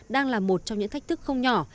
đang là một trong những thách thức không nhỏ